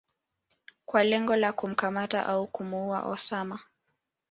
kwa lengo la kumkamata au kumuua Osama